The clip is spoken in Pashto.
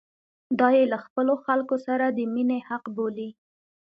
دا یې له خپلو خلکو سره د مینې حق بولي.